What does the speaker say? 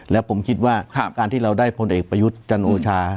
แล้วผมคิดว่าการที่เราได้พลเอกประยุทธ์จันโอชา